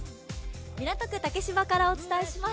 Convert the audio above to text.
港区竹芝からお伝えします。